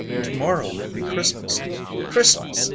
To morrow would be Christmas. Christmas!